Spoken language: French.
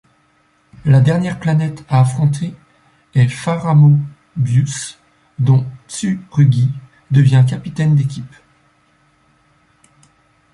La dernière planète à affronter est Pharamöbius dont Tsurugi devient capitaine d'équipe.